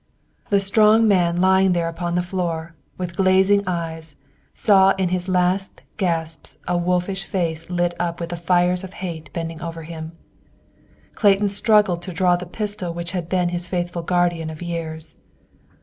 The strong man lying there upon the floor, with glazing eyes, saw in his last gasps a wolfish face lit up with the fires of hate bending over him. Clayton struggled to draw the pistol which had been his faithful guardian of years.